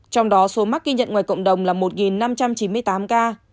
trong đó số mắc ghi nhận ngoài cộng đồng là một năm trăm chín mươi tám ca